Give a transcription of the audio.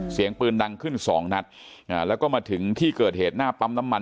เสียงปืนดังขึ้นสองนัดอ่าแล้วก็มาถึงที่เกิดเหตุหน้าปั๊มน้ำมัน